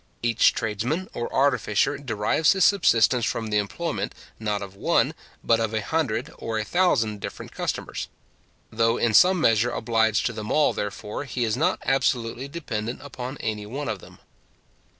Each tradesman or artificer derives his subsistence from the employment, not of one, but of a hundred or a thousand different customers. Though in some measure obliged to them all, therefore, he is not absolutely dependent upon any one of them.